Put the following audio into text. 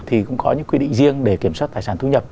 thì cũng có những quy định riêng để kiểm soát tài sản thu nhập